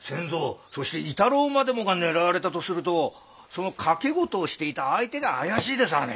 そして亥太郎までもが狙われたとするとその賭け事をしていた相手が怪しいでさあね。